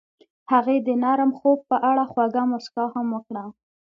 هغې د نرم خوب په اړه خوږه موسکا هم وکړه.